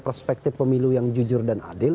perspektif pemilu yang jujur dan adil